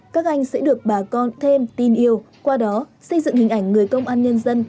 các anh sẽ được bà con thêm tin yêu qua đó xây dựng hình ảnh người công an nhân dân